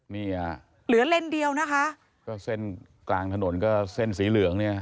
เนี่ยเหลือเลนเดียวนะคะก็เส้นกลางถนนก็เส้นสีเหลืองเนี่ย